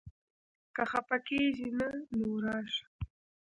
که خپه کېږې نه؛ نو راشه!